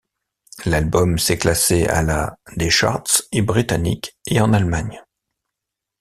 L'album s'est classé à la des charts britanniques et en Allemagne.